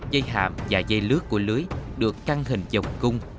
dây hạm và dây lướt của lưới được căng hình dòng cung